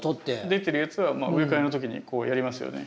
出てるやつは植え替えの時にこうやりますよね。